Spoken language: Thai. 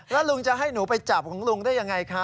แล้วลุงจะให้หนูไปจับของลุงได้ยังไงคะ